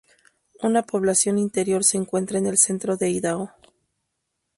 Una población interior se encuentra en el centro de Idaho.